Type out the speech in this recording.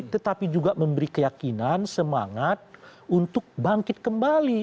tetapi juga memberi keyakinan semangat untuk bangkit kembali